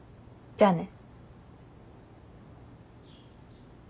じゃあね。